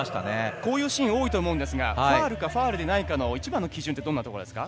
こういうシーン多いと思うんですがファウルかファウルじゃないかの一番の基準はどんなところですか？